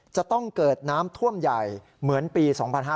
จะต้องเกิดน้ำท่วมใหญ่เหมือนปี๒๕๕๙